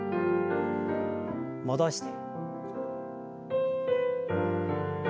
戻して。